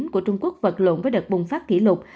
của trung quốc vật lộn với đợt bùng phát kỷ lục